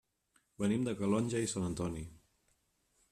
Venim de Calonge i Sant Antoni.